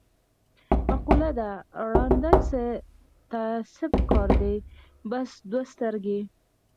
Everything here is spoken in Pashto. مقوله ده: ړانده ته څه په کار دي، بس دوه سترګې.